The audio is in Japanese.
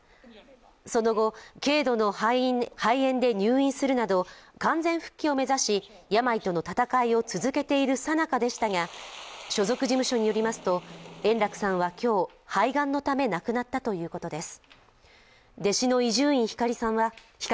その後、軽度の肺炎で入院するなど完全復帰を目指し病との闘いを続けているさなかでしたが所属事務所によりますと円楽さんは今日、肺がんのため亡くなったということです。